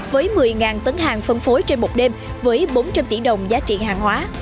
với một mươi tấn hàng phân phối trên một đêm với bốn trăm linh tỷ đồng giá trị hàng hóa